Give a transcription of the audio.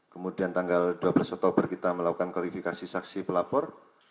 kemudian tanggal dua belas oktober kita melakukan klarifikasi saksi pelapor